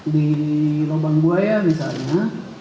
di lubang buaya misalnya